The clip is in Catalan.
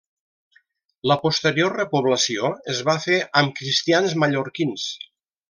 La posterior repoblació es va fer amb cristians mallorquins.